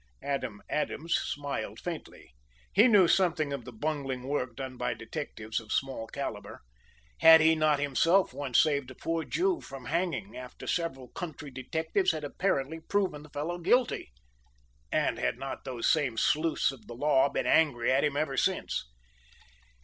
Adam Adams smiled faintly. He knew something of the bungling work done by detectives of small caliber. Had he not himself once saved a poor Jew from hanging after several country detectives had apparently proved the fellow guilty? And had not those same sleuths of the law been angry at him ever since?